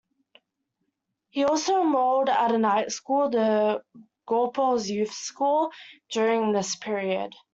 He also enrolled at a night school, the Gorbals Youth's School, during this period.